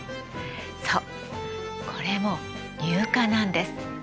そうこれも乳化なんです。